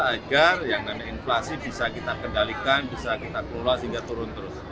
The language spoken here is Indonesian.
agar yang ada inflasi bisa kita kendalikan bisa kita kelola sehingga turun terus